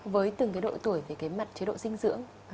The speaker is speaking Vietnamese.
với từng cái độ tuổi về cái mặt chế độ dinh dưỡng